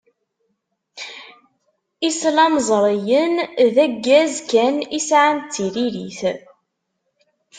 Islamẓriyen d aggaz kan i sɛan d tiririt.